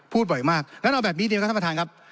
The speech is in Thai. พูดบ่อยมากแล้วเอาแบบนี้เดียวครับท่านประธานครับ